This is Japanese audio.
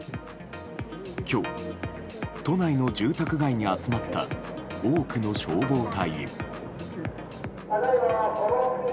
今日、都内の住宅街に集まった多くの消防隊。